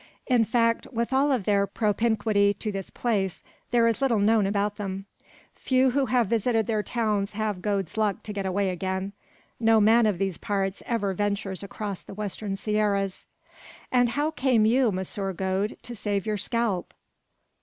In fact, with all their propinquity to this place, there is little known about them. Few who have visited their towns have had Gode's luck to get away again. No man of these parts ever ventures across the western Sierras." "And how came you, Monsieur Gode, to save your scalp?"